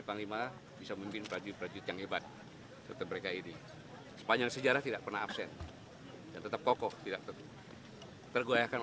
yang sangat berhasil mengembangkan